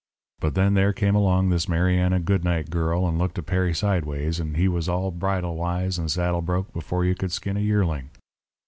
But then there came along this Mariana Goodnight girl and looked at Perry sideways, and he was all bridle wise and saddle broke before you could skin a yearling.